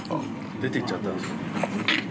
出て行っちゃったんですよ。